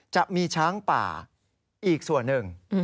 จะมีช้างป่าอีกส่วนหนึ่ง